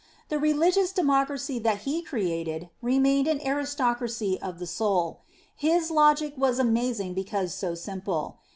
The religious de mocracy that he created remained an aristocracy of the soul. His logic was amazing because so simple.